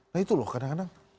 nah itu loh kadang kadang